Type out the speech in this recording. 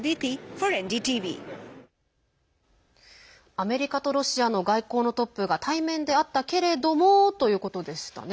アメリカとロシアの外交のトップが対面で会ったけれどもということでしたね。